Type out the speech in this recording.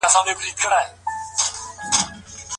د پناه غوښتونکي خبري باید واورېدل سي.